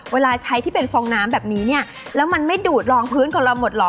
เวลาใช้ที่เป็นฟองน้ำแบบนี้เนี่ยแล้วมันไม่ดูดรองพื้นของเราหมดเหรอ